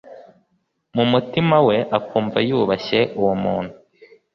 mu mutima we akumva yubashye uwo muntu